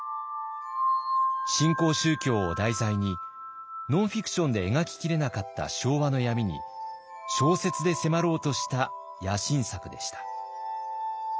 新興宗教を題材にノンフィクションで描ききれなかった昭和の闇に小説で迫ろうとした野心作でした。